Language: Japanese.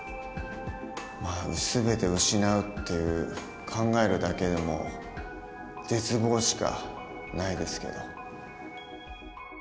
全てを失うって考えるだけでも絶望しかないですけど。